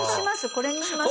これにします。